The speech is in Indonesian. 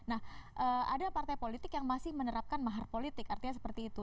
nah ada partai politik yang masih menerapkan mahar politik artinya seperti itu